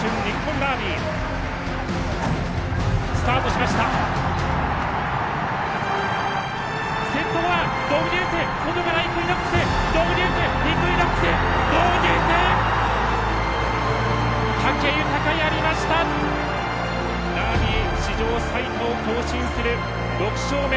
ダービー史上最多を更新する６勝目。